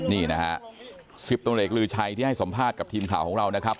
นี่นะฮะ๑๐ตำรวจเอกลือชัยที่ให้สัมภาษณ์กับทีมข่าวของเรานะครับ